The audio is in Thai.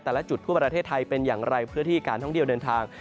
แต่ละจุดทั่วประเทศไทยเป็นอย่างไรเพื่อที่การท่องเที่ยวเดินทาง